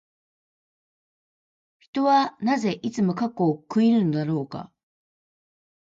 人はなぜ、いつも過去を悔いるのだろうか。